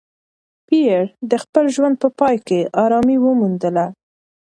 پییر د خپل ژوند په پای کې ارامي وموندله.